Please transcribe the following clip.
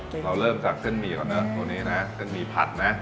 เราเริ่มจากเส้นหมี่ก่อนเนอะตัวนี้นะเส้นหมี่ผัดนะ